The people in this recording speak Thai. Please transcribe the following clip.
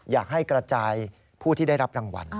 อยากให้กระจายผู้ที่ได้รับรางวัล